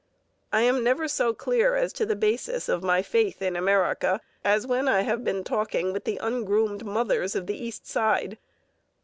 I am never so clear as to the basis of my faith in America as when I have been talking with the ungroomed mothers of the East Side.